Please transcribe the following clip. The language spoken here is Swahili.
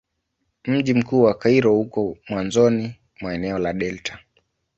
Mji mkuu wa Kairo uko mwanzoni mwa eneo la delta.